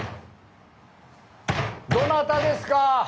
・どなたですか？